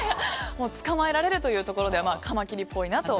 捕まえられるというところではカマキリっぽいなと。